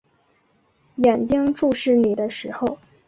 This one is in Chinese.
眼睛注视你的时候